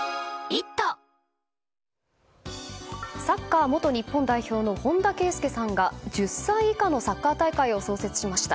サッカー元日本代表の本田圭佑さんが１０歳以下のサッカー大会を創設しました。